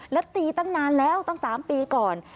แล้วตีตั้งนานแล้วตั้ง๓ปีก่อน